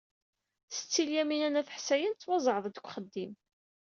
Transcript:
Setti Lyamina n At Ḥsayen tettwaẓẓeɛ-d seg uxeddim.